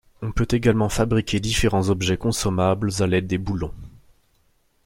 On peut également fabriquer différents objets consommables à l'aide des boulons.